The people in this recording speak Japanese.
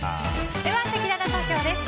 ではせきらら投票です。